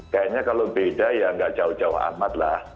kayaknya kalau beda ya nggak jauh jauh amat lah